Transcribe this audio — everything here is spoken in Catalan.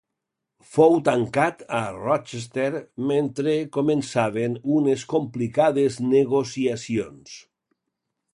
Fou tancat a Rochester mentre començaven unes complicades negociacions.